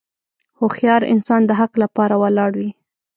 هوښیار انسان د حق لپاره ولاړ وي.